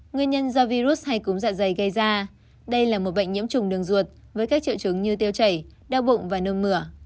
nguyên nhân do virus hay cúm dạ dày gây ra đây là một bệnh nhiễm trùng đường ruột với các triệu chứng như tiêu chảy đau bụng và nươm mửa